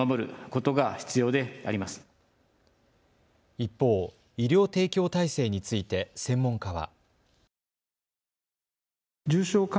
一方、医療提供体制について専門家は。